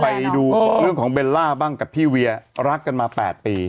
ไปดูเรื่องของเบลล่าบ้างกับพี่เวียรักกันมา๘ปี